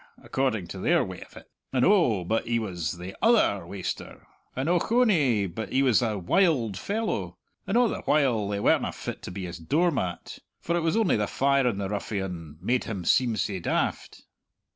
according to their way of it and, oh, but he was the other waster! and, ochonee, but he was the wild fellow. And a' the while they werena fit to be his doormat; for it was only the fire in the ruffian made him seem sae daft."